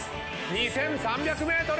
２，３００ｍ！